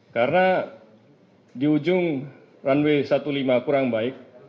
karena di ujung runway lima belas kurang baik